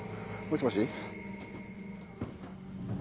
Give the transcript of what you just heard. もしもし。